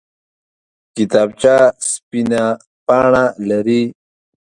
کتابچه سپینه پاڼه لري